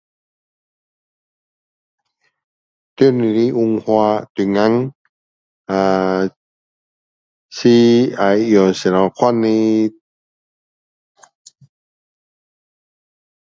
在你的文化中间 ahh 是要用怎样的